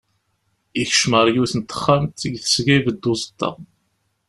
Yekcem ɣer yiwet n texxamt, deg tesga ibedd uẓeṭṭa.